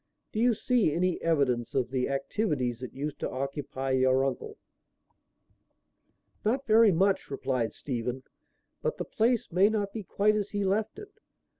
Do you see any evidences of the activities that used to occupy your uncle?" "Not very much," replied Stephen. "But the place may not be quite as he left it.